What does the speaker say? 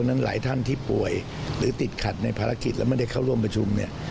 หลายท่านที่ป่วยหรือติดขัดในภารกิจและไม่ได้เข้าร่วมประชุมเนี่ย